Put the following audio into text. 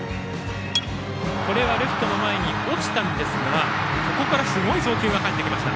これはレフトの前に落ちたんですがここからすごい送球が帰ってきました。